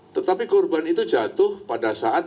tetapi korban itu jatuh pada saat